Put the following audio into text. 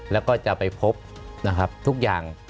แล้วก็จะไปพบทุกอย่าง